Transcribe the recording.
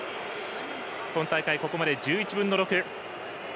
今大会、ここまで１１分の６。